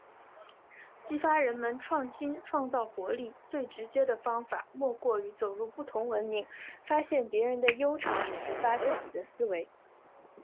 激发人们创新创造活力，最直接的方法莫过于走入不同文明，发现别人的优长，启发自己的思维。